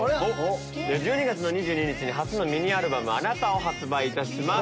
１２月２２日に初のミニアルバム『あなた』を発売いたします。